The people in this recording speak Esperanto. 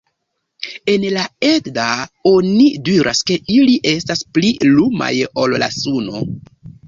En la Edda oni diras ke ili estas pli lumaj ol la suno.